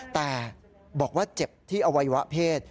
แต่บอกว่าเจ็บที่อวัยวะเพศ